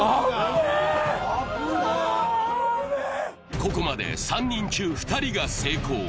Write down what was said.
ここまで３人中２人が成功。